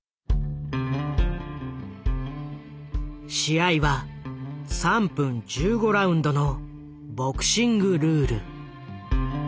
試合は３分１５ラウンドのボクシングルール。